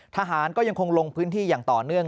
ทหารก็ยังคงลงพื้นที่อย่างต่อเนื่อง